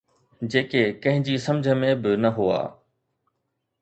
جيڪي ڪنهن جي سمجهه ۾ به نه هئا.